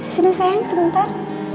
sini sayang sebentar